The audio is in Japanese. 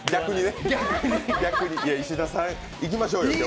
石田さん、いきましょうよ